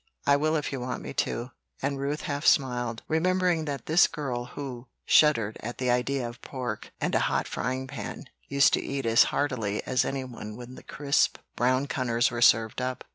I will if you want me to;" and Ruth half smiled, remembering that this girl who shuddered at the idea of pork and a hot frying pan, used to eat as heartily as any one when the crisp brown cunners were served up.